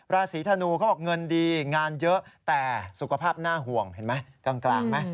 ราศีธนูเขาบอกเงินดีงานเยอะแต่สุขภาพน่าห่วงเห็นไหมกลางไหม